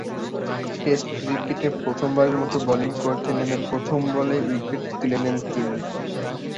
Test ক্রিকেটে প্রথমবারের মতো বোলিং করতে নেমে প্রথম বলেই উইকেট তুলে নেন তিনি।